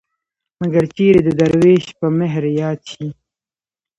مګر چېرې د دروېش په مهر ياد شي.